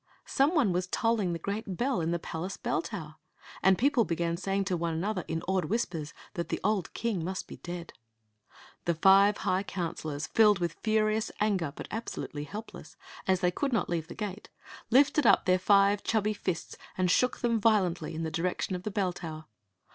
Some one was tolling the gresrt bdl in die psOace bell tower, and people began saying to one another in awed whispers that the old king must be dead. The five high counselors, filled with furious an^ but absolutely helpless, as they amid not leave the gate, lifted up, their five chubby fists and shook them violently in the direction of the bell tower.